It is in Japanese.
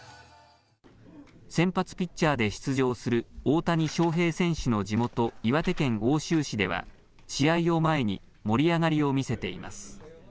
先発ピッチャーで出場する大谷翔平選手の地元、岩手県奥州市では試合を前に盛り上がりを見せています。